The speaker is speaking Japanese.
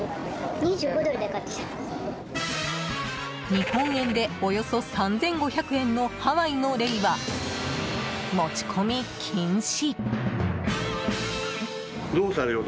日本円でおよそ３５００円のハワイのレイは、持ち込み禁止。